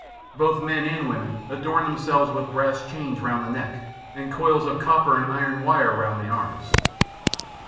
Both men and women adorn themselves with brass chains round the neck and coils of copper and iron wire round the arms.